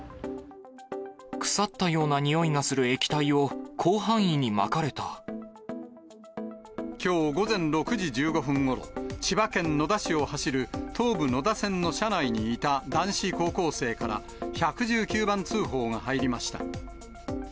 腐ったような臭いがする液体きょう午前６時１５分ごろ、千葉県野田市を走る東武野田線の車内にいた男子高校生から、１１９番通報が入りました。